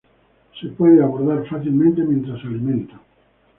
Se puede abordar fácilmente mientras se alimentan.